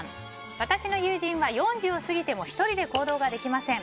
私の友人は４０を過ぎても１人で行動ができません。